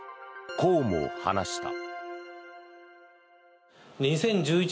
こうも話した。